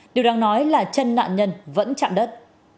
điều đáng nói là chân nạn nhân vẫn chạm đất